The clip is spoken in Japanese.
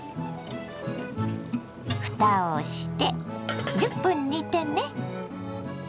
ふたをして１０分煮てね。